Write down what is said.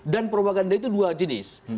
dan propaganda itu dua jenis